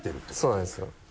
そうなんですよ。